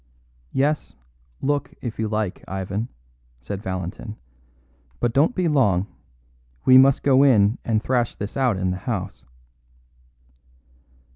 "Yes; look, if you like, Ivan," said Valentin, "but don't be long. We must go in and thrash this out in the house."